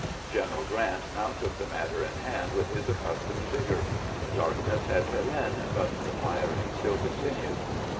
General Grant now took the matter in hand with his accustomed vigor. Darkness had set in, but the firing still continued.